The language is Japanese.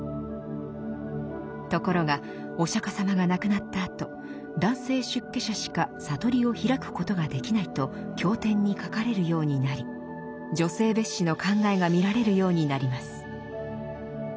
ところがお釈迦様が亡くなったあと男性出家者しか覚りを開くことができないと経典に書かれるようになり女性蔑視の考えが見られるようになります。